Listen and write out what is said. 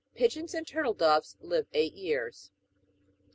Pigeons and turtle doves live eight years.